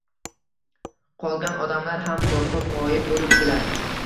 Qolgan odamlar ham qo‘rqib g‘oyib bo‘libdilar